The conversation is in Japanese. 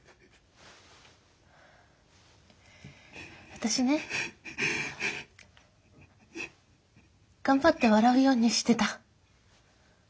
私ね頑張って笑うようにしてた。